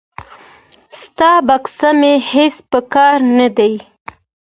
ستا بکس مې هیڅ په کار نه دی.